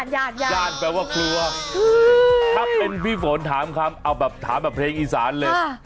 ญาติญาติแปลว่ากลัวถ้าเป็นพี่ฝนถามคำเอาแบบถามแบบเพลงอีสานเลย